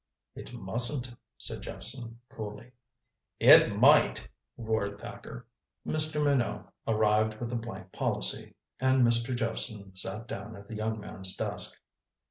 "It mustn't," said Jephson coolly. "It might," roared Thacker. Mr. Minot arrived with a blank policy, and Mr. Jephson sat down at the young man's desk.